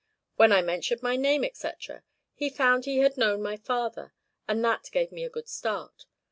When I mentioned my name, &c., he found he had known my father, and that gave me a good start.